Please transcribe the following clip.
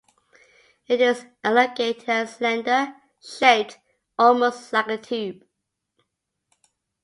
It is elongated and slender, shaped almost like a tube.